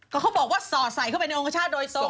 ก็เขาบอกว่าสอดใส่เข้าไปในองคชาติโดยตรง